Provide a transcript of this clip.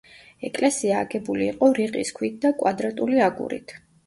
ეკლესია აგებული იყო რიყის ქვით და კვადრატული აგურით.